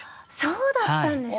そうだったんですね。